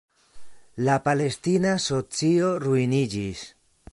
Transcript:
La palestina socio ruiniĝis.